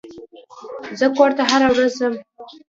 زه کور ته هره ورځ ځم.